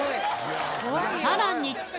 さらに